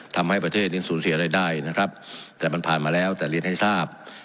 ทำให้ประเทศนี้สูญเสียรายได้นะครับแต่มันผ่านมาแล้วแต่เรียนให้ทราบ